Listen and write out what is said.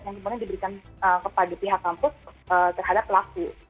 yang kemudian diberikan kepada pihak kampus terhadap pelaku